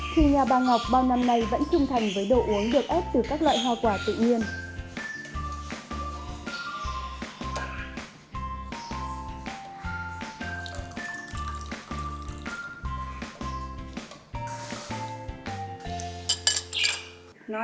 thì nhà bà ngọc bao năm nay vẫn trung thành với đồ uống được ép từ các loại hoa quả tự nhiên